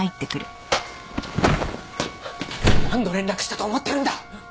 何度連絡したと思ってるんだ！